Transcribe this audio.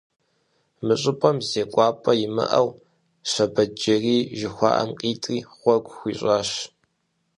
Мы щӀыпӀэм зекӀуапӀэ имыӀэу Щэбэтджэрий жыхуаӀэм къитӀри, гъуэгу хуищӀащ.